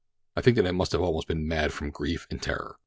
"I think that I must have been almost mad from grief and terror.